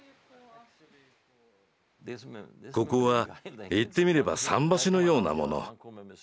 ここは言ってみれば桟橋のようなもの。